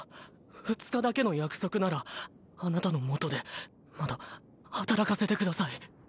２日だけの約束ならあなたの下でまた働かせてください。